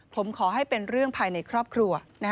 ผมขอให้เป็นเรื่องภายในครอบครัว